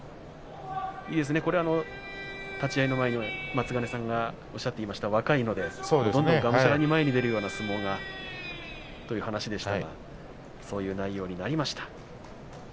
立ち合いの前に松ヶ根さんがおっしゃっていた若いのでどんどんがむしゃらに前に出るような相撲が、という話でしたがそういう内容になりました。